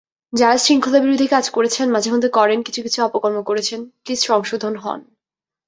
যাঁরা শৃঙ্খলাবিরোধী কাজ করেছেন, মাঝেমধ্যে করেন, কিছু কিছু অপকর্ম করেছেন—প্লিজ, সংশোধন হোন।